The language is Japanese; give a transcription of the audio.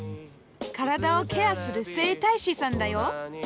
体をケアする整体師さんだよ